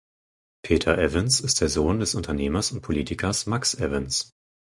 Peter Evans ist der Sohn des Unternehmers und Politikers Max Evans.